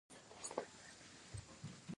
د پاکوالي لپاره اوبه اړین دي